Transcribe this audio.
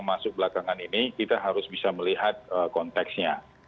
masuk belakangan ini kita harus bisa melihat konteksnya